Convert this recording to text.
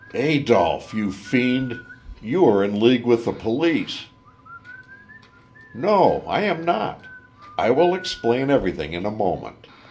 "Adolph, you fiend, you are in league with the police." "No, I am not. I will explain everything in a moment.